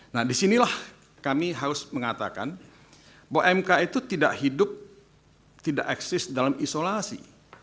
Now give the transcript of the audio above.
nah disinilah kami harus mengatakan bahwa mk itu tidak hidup tidak eksis dalam isolasi